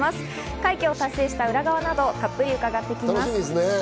快挙を達成した裏側などをたっぷりと伺ってきます。